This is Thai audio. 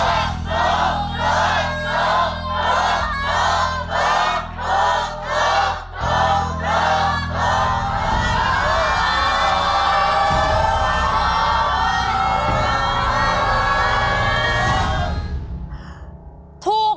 มุกมุกมุกมุก